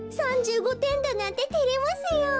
３５てんだなんててれますよ。